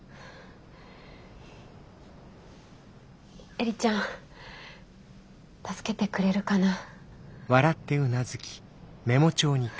映里ちゃん助けてくれるかなあ。